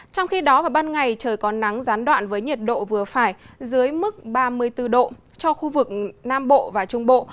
trong khi đó vào ban ngày trời có nắng gián đoạn với nhiệt độ vừa phải dưới mức ba mươi bốn độ cho khu vực nam bộ và trung bộ